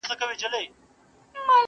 پرېږده چي دي مخي ته بلېږم ته به نه ژاړې!!